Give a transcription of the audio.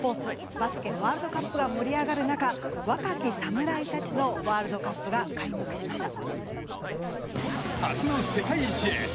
バスケワールドカップが盛り上がる中若き侍たちのワールドカップが開幕しました。